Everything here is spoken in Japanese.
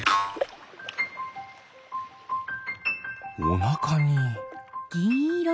おなかに。